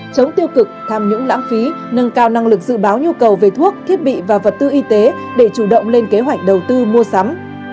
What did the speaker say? chống tiêu cực tham nhũng lãng phí nâng cao năng lực dự báo nhu cầu về thuốc thiết bị và vật tư y tế để chủ động lên kế hoạch đầu tư mua sắm